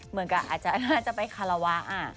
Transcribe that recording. เหมือนกับอาจจะได้สามารถจะไปคาราวะ